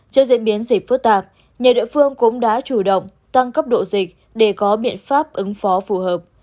trước diễn biến dịch phức tạp nhiều địa phương cũng đã chủ động tăng cấp độ dịch để có biện pháp ứng phó phù hợp